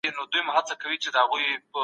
پوهه د خلګو لخوا ترلاسه کېږي.